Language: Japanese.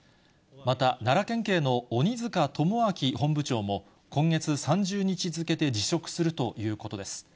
また、奈良県警の鬼塚友章本部長も、今月３０日付で辞職するということです。